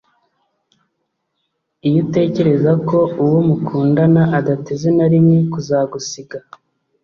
Iyo utekereza ko uwo mukundana adateze na rimwe kuzagusiga